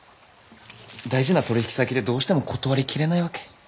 大事な取引先でどうしても断り切れないわけ。